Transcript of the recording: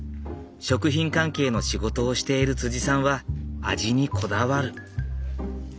食品関係の仕事をしているさんは味にこだわる。